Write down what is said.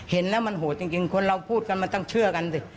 เห็นแล้วมันโหดจริงคนเราพูดกันมันต้องเชื่อกันสิ